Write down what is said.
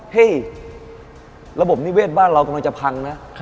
ระบบนิเวศบ้านเรากำลังจะพังนะ